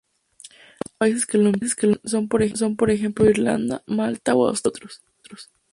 Algunos países que lo emplean son por ejemplo Irlanda, Malta o Australia, entre otros.